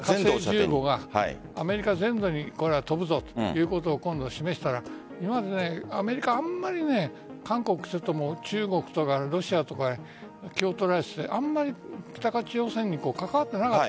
アメリカ全土に飛ぶぞということを今度、示したら今までアメリカはあまり韓国、中国とロシアとか気を取らせていてあんまり北朝鮮に関わっていなかった。